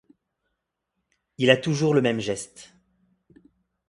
il a toujours le même geste.